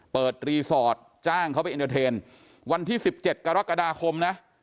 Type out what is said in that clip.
รีสอร์ทจ้างเขาไปเอ็นเตอร์เทนวันที่๑๗กรกฎาคมนะ